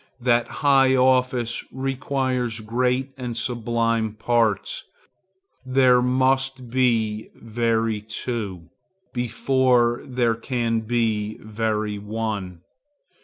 That high office requires great and sublime parts. There must be very two, before there can be very one.